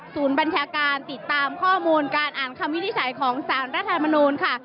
ศูนย์บัญชาการติดตามข้อมูลการอ่านคำวิทยาศาสตร์ของสารรัฐธรรมนุนค่ะ